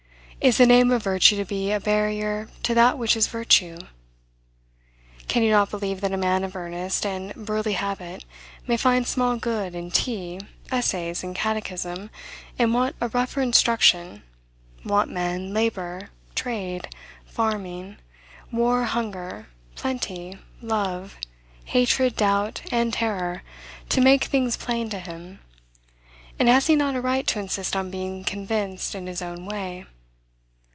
Is the name of virtue to be a barrier to that which is virtue? Can you not believe that a man of earnest and burly habit may find small good in tea, essays, and catechism, and want a rougher instruction, want men, labor, trade, farming, war, hunger, plenty, love, hatred, doubt, and terror, to make things plain to him; and has he not a right to insist on being convinced in his own way?